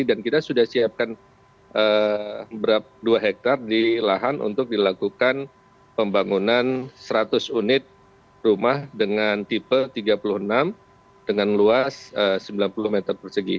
kita sudah siapkan dua hektare di lahan untuk dilakukan pembangunan seratus unit rumah dengan tipe tiga puluh enam dengan luas sembilan puluh meter persegi